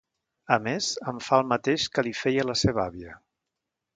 A més, em fa el mateix que li feia a la seva àvia.